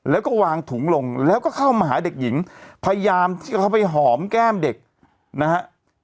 แล้วก็วางถุงลงแล้วก็เข้ามาหาเด็กหญิงพยายามที่จะเข้าไปหอมแก้มเด็กนะฮะ